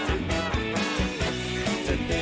จันทราจะเด็ดจะเด็ดจันทรา